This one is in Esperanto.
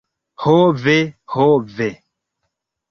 Ho ve! Ho ve.